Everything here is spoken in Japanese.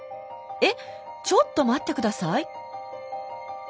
えっちょっと待って下さい。